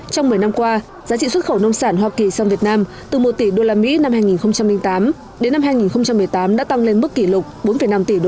trong một mươi năm qua giá trị xuất khẩu nông sản hoa kỳ sang việt nam từ một tỷ usd năm hai nghìn tám đến năm hai nghìn một mươi tám đã tăng lên mức kỷ lục bốn năm tỷ usd